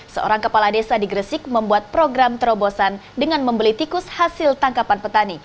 seorang kepala desa di gresik membuat program terobosan dengan membeli tikus hasil tangkapan petani